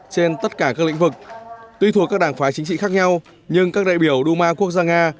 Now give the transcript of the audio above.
trên tất cả các lĩnh vực tuy thuộc các đảng phái chính trị khác nhau nhưng các đại biểu duma quốc gia nga